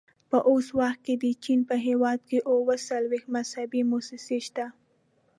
په اوس وخت کې د چین په هېواد کې اووه څلوېښت مذهبي مؤسسې شته.